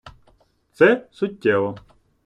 Це суттєво.